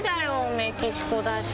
メキシコだし。